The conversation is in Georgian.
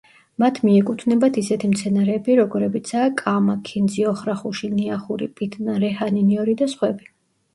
მათ მიეკუთვნებათ ისეთი მცენარეები როგორებიცაა კამა, ქინძი, ოხრახუში, ნიახური, პიტნა, რეჰანი, ნიორი და სხვები.